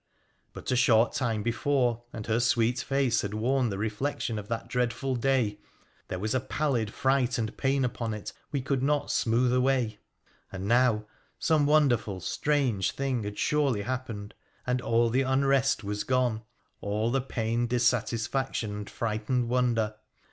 But a short time before and her sweet face had vorn the reflection of that dreadful day : there was a pallid right and pain upon it we could not smooth away, and now ome wonderful strange thing had surely happened, and all he unrest was gone, all the pained dissatisfaction and fright sned wonder.